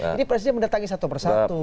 jadi presiden mendatangi satu persatu